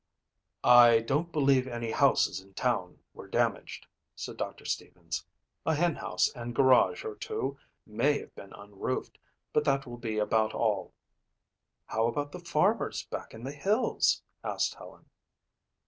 "I don't believe any houses in town were damaged," said Doctor Stevens. "A hen house and garage or two may have been unroofed but that will be about all." "How about the farmers back in the hills?" asked Helen.